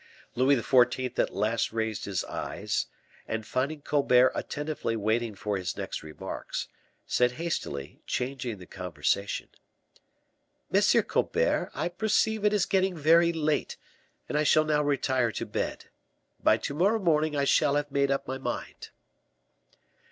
Louis XIV. at last raised his eyes, and finding Colbert attentively waiting for his next remarks, said, hastily, changing the conversation, "M. Colbert, I perceive it is getting very late, and I shall now retire to bed. By to morrow morning I shall have made up my mind."